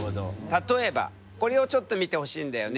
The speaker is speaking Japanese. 例えばこれをちょっと見てほしいんだよね。